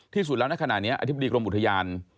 ที่สุดแล้วในขณะนี้อธิบดีกรมอุทยาน